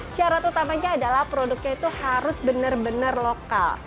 syarat utamanya adalah produknya itu harus benar benar lokal